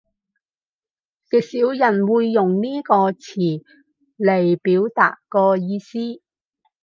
極少人會用呢個詞嚟表達個意思